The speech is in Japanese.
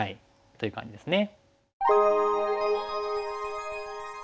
という感じですね。